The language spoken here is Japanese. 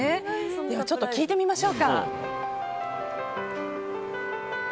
ちょっと聴いてみましょうか。